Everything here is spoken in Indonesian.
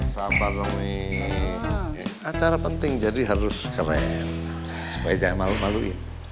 sabar demi acara penting jadi harus keren supaya jangan malu maluin